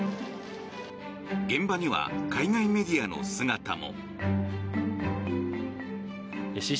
現場には海外メディアの姿も。